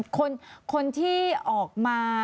คนที่ออกมา